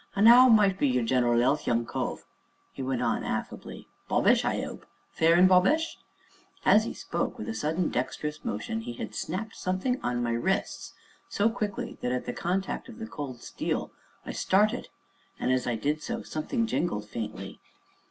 "And 'ow might be your general 'ealth, young cove?" he went on affably, "bobbish, I 'ope fair an' bobbish?" As he spoke, with a sudden, dexterous motion, he had snapped something upon my wrists, so quickly that, at the contact of the cold steel, I started, and as I did so, something jingled faintly.